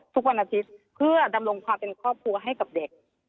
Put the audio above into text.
ทุกวันอาทิตย์เพื่อดำรงความเป็นครอบครัวให้กับเด็ก